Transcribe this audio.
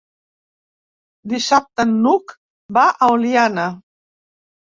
Dissabte n'Hug va a Oliana.